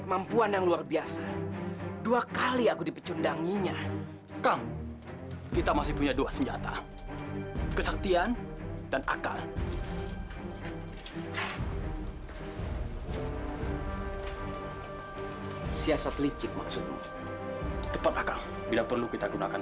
sampai jumpa di video selanjutnya